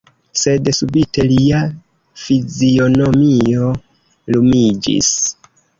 Sed subite lia fizionomio lumiĝis.